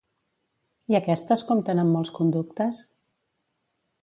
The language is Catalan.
I aquestes compten amb molts conductes?